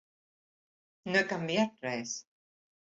No he canviat res.